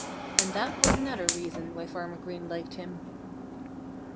And that was another reason why Farmer Green liked him.